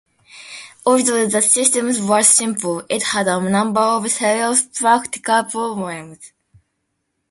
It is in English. Although the system was simple, it had a number of serious practical problems.